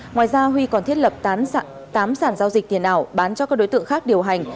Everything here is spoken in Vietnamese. ngoài ra huy còn thiết lập tám sản giao dịch tiền ảo bán cho các đối tượng khác điều hành